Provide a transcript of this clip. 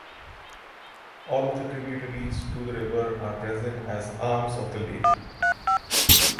All of the tributaries to the river are present as arms of the lake.